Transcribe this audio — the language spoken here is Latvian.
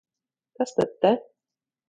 Kas tad te?